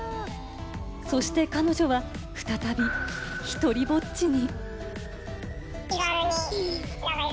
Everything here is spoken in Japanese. そして彼女は再び１人ぼっちに。